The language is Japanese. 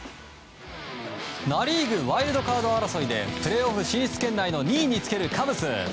ナ・リーグワイルドカード争いでプレーオフ進出圏内の２位につけるカブス。